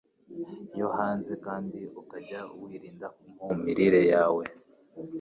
yo hanze, kandi ukajya wirinda mu mirire yawe.